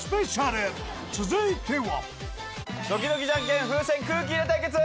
［続いては］